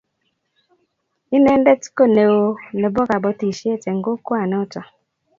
Inendet ko neo nebo kobotisiet eng kokwanoto